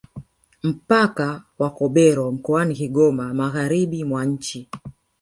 Mpaka wa Kobero mkoani Kigoma Magharibi mwa nchi